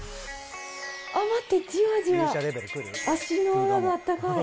あっ、待って、じわじわ、足の裏があったかい。